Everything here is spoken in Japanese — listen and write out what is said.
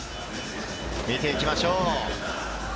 見ていきましょう。